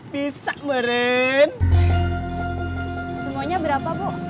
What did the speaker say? bisa beren semuanya berapa bu